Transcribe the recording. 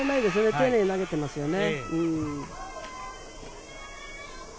丁寧に投げていますよね。